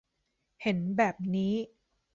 เห็นแบบนี้